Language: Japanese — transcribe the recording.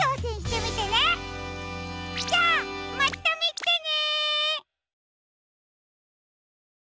じゃあまたみてね！